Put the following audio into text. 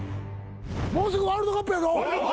もうすぐワールドカップやぞ。